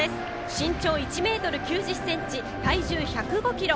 身長１ｍ９０ｃｍ体重１０５ｋｇ。